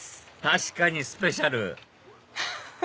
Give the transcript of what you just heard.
確かにスペシャル！